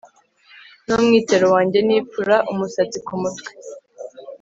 n umwitero wanjye nipfura umusatsi ku mutwe